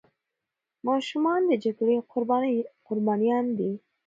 ماشومان د جګړې قربانيان دي.